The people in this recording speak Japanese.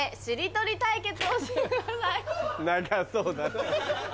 長そうだ。